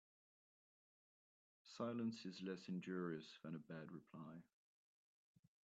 Silence is less injurious than a bad reply.